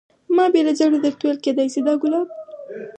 ما بې له ځنډه درته وویل کېدای شي دا ګلاب.